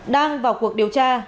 đang vào cuộc điều tra